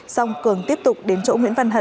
xong cường tiếp tục đến chỗ nguyễn văn hận